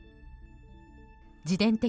自伝的